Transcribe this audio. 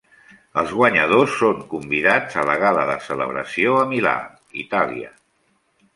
Els guanyadors són convidats a la gala de celebració a Milà, Itàlia.